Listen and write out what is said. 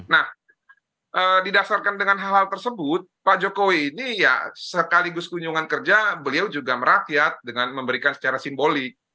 nah didasarkan dengan hal hal tersebut pak jokowi ini ya sekaligus kunjungan kerja beliau juga merakyat dengan memberikan secara simbolik